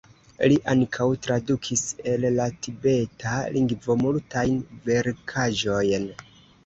Li ankaŭ tradukis el la tibeta lingvo multajn verkaĵojn.